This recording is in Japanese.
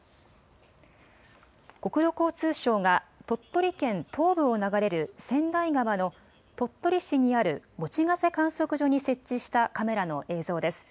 国土交通省が、鳥取県東部を流れる千代川の、鳥取市にある用瀬観測所に設置したカメラの映像です。